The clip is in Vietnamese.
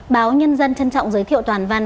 báo nhân dân trân trọng giới thiệu toàn văn